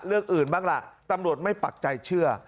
เรื่องอื่นบ้างล่ะตำรวจไม่ปักใจเชื่อ